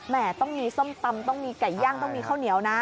ต้องมีส้มตำต้องมีไก่ย่างต้องมีข้าวเหนียวนะ